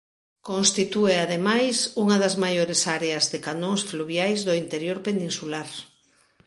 Constitúe ademais unha dos maiores áreas de canóns fluviais do interior peninsular.